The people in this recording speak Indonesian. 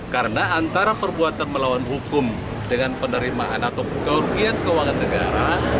karena antara perbuatan melawan hukum dengan penerimaan atau kerugian keuangan negara